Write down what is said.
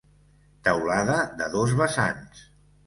Teulada de dos vessants.